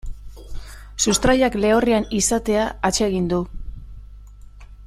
Sustraiak lehorrean izatea atsegin du.